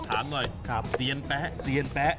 ถามหน่อยเซียนแป๊ะเซียนแป๊ะ